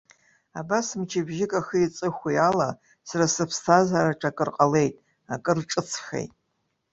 Абас мчыбжьык ахи аҵыхәеи ала сара сыԥсҭазаараҿ акыр ҟалеит, акыр ҿыцхеит.